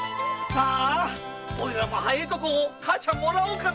おいらも早くかあちゃんもらおうかな。